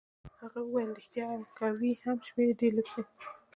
هغه وویل: ریښتیا وایم، که وي هم شمېر يې ډېر لږ دی.